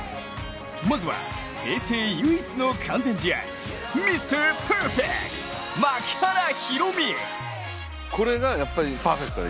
まずは、平成唯一の完全試合、ミスターパーフェクト槙原寛己！